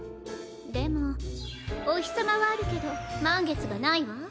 でもお日さまはあるけどまんげつがないわ。